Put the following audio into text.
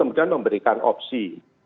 kemudian memberikan opsi